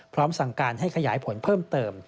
พร้อมสั่งการให้ขยายผลเพิ่มเติม